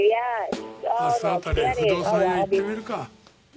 明日辺り不動産屋行ってみるか。